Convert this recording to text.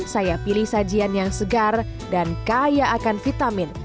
saya pilih sajian yang segar dan kaya akan vitamin